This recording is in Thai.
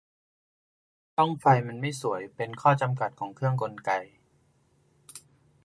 ช่องไฟมันไม่สวย เป็นข้อจำกัดของเครื่องกลไก